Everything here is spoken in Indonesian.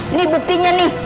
ini buktinya nih